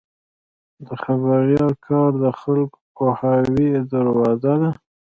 د خبریال کار د خلکو د پوهاوي دروازه ده.